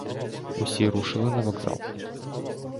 Усі рушили на вокзал.